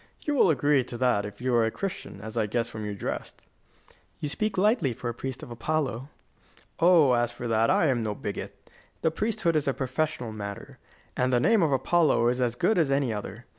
You will agree to that if you are a Christian, as I guess from your dress." "You speak lightly for a priest of Apollo." "Oh, as for that, I am no bigot. The priesthood is a professional matter, and the name of Apollo is as good as any other.